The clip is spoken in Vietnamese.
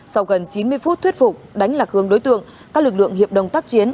sau gần chín mươi phút thuyết phục đánh lạc hương đối tượng các lực lượng hiệp đồng tác chiến